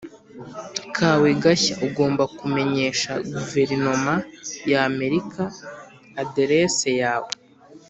kawe gashya Ugomba kumenyesha guverinoma y Amerika aderese yawe